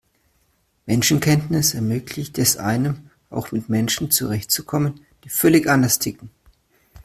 Menschenkenntnis ermöglicht es einem, auch mit Menschen zurecht zu kommen, die völlig anders ticken.